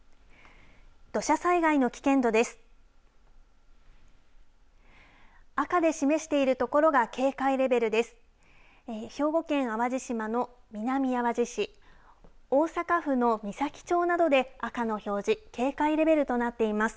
土砂災害の危険度です。